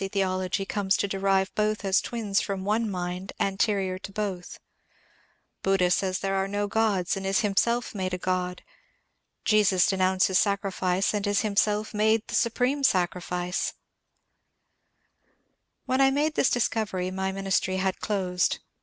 theology comes to derive both as twins from one mind anterior to both ; Buddha says there are no gods, and is himself made a god ; Jesus denounces sacrifice, and is him self made the supreme sacrifice I When I made this discovery my ministry had closed.